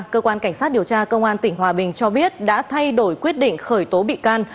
cơ quan cảnh sát điều tra công an tỉnh hòa bình cho biết đã thay đổi quyết định khởi tố bị can